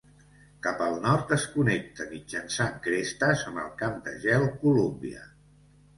Cap al nord es connecta mitjançant crestes amb el Camp de gel Columbia.